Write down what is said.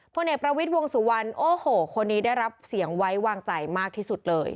พลเอกประวิทย์วงสุวรรณโอ้โหคนนี้ได้รับเสียงไว้วางใจมากที่สุดเลย